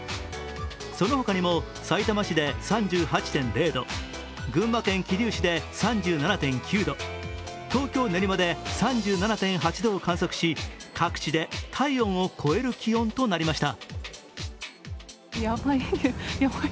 そのほかにも、さいたま市で３８．０度群馬県桐生市で３７．９度、東京・練馬で３７．８度を観測し各地で体温を超える気温となりました。